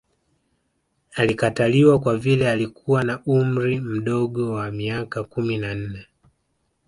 Alikataliwa kwa vile alikuwa na umri mdogo wa miaka kumi na nne